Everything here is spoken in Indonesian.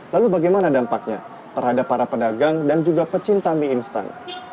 lalu bagaimana dampaknya terhadap para pedagang dan juga pecinta mie instan